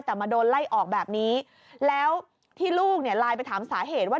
แต่มาโดนไล่ออกแบบนี้แล้วที่ลูกเนี่ยไลน์ไปถามสาเหตุว่า